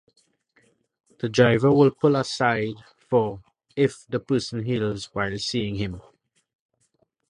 The driver would pull aside for if the person hails while seeing him.